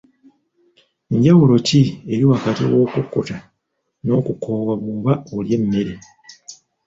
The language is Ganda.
Njawulo ki eri wakati w'okukkuta n'okukoowa bw'oba olya emmere?